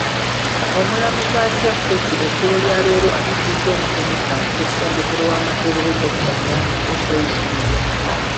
Omulamuzi Acaa Ketty eggulo lyaleero akkirizza omusomesa mu ssettendekero wa Makerere dokita Nnyanzi okweyimirirwa.